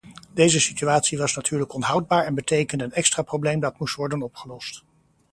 Deze situatie was natuurlijk onhoudbaar en betekende een extra probleem dat moest worden opgelost.